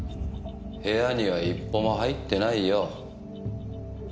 部屋には一歩も入ってないよ。